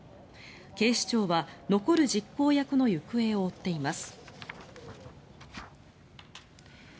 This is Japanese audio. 警視庁は残る実行役の行方を追っています。